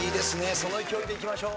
その勢いでいきましょう。